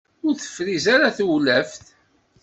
Ur tefṛiz ara tewlaft.